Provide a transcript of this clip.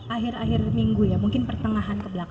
akhir akhir minggu ya mungkin pertengahan kebelakang